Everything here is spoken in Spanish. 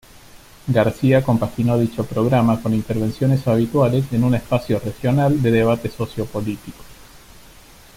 García compaginó dicho programa con intervenciones habituales en un espacio regional de debate sociopolítico.